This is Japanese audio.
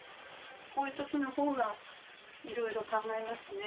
こういう時の方がいろいろ考えますね。